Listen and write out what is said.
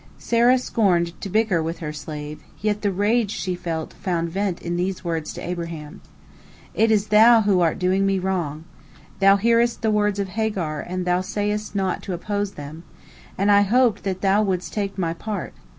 Sarah scorned to bicker with her slave, yet the rage she felt found vent in these words to Abraham: "It is thou who art doing me wrong. Thou hearest the words of Hagar, and thou sayest naught to oppose them, and I hoped that thou wouldst take my part.